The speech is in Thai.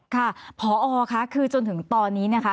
ค่ะพอค่ะคือจนถึงตอนนี้นะคะ